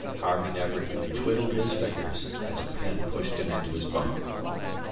Harvey never even twiddled his fingers as Penn pushed him into his bunk.